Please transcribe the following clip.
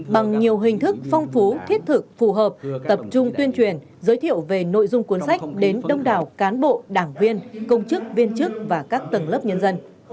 bằng nhiều hình thức phong phú thiết thực phù hợp tập trung tuyên truyền giới thiệu về nội dung cuốn sách đến đông đảo cán bộ đảng viên công chức viên chức và các tầng lớp nhân dân